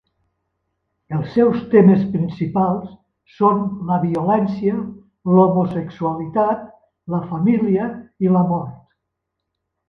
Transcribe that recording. Els seus temes principals són la violència, l'homosexualitat, la família i la mort.